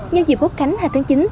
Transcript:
nhân dịp hốt khánh hai tháng chín